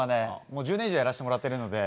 １０年以上やらせてもらってるので。